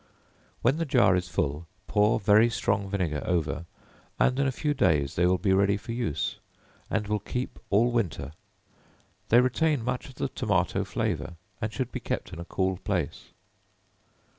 When the jar is full, pour very strong vinegar over, and in a few days they will be ready for use, and will keep all winter. They retain much of the tomato flavor, and should be kept in a cool place.